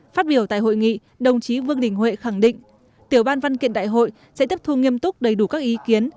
phát biểu tại hội nghị đồng chí vương đình huệ khẳng định tiểu ban văn kiện đại hội sẽ tiếp thu nghiêm túc đầy đủ các ý kiến